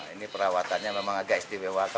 ini perawatannya memang agak istimewa